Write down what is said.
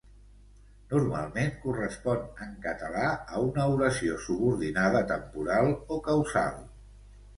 Normalment correspon en català a una oració subordinada temporal o causal.